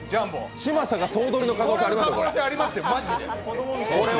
嶋佐が総取りの可能性ありますよ。